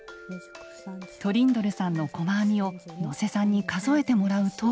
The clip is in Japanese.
トリンドルさんの細編みを能勢さんに数えてもらうと。